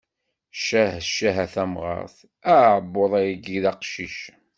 Ccah ccah a tamɣart, aɛebbuḍ-agi d aqcic.